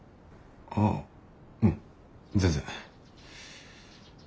ああうん全然。